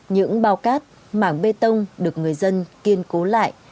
những bao cát mảng bê tông được người dân kiên cố lại